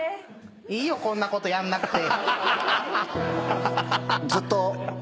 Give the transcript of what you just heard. いいよこんなことやんなくて。